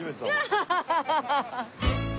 ハハハハ！